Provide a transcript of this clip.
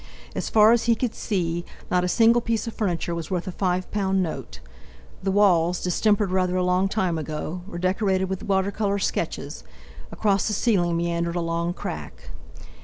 As far as he could see, not a single piece of furniture was worth a five pound note. The walls, distempered rather a long time ago, were decorated with water colour sketches; across the ceiling meandered a long crack.